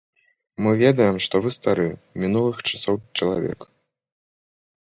Мы ведаем, што вы стары, мінулых часоў чалавек.